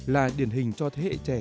là điển hình cho thế hệ trẻ